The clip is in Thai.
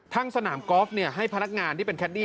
สนามกอล์ฟให้พนักงานที่เป็นแคดดี้